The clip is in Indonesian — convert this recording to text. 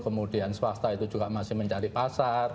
kemudian swasta itu juga masih mencari pasar